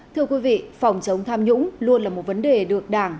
thưa quý vị phòng chống tham nhũng luôn là một vấn đề được đảng